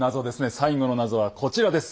最後の謎はこちらです。